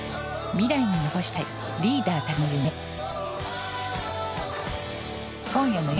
未来に残したいリーダーたちの夢。